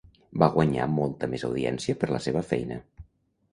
Va guanyar molta més audiència per la seva feina.